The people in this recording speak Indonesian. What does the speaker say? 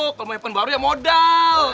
kalau mau handphone baru ya modal